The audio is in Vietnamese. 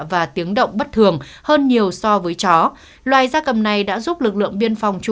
và tiếng động bất thường hơn nhiều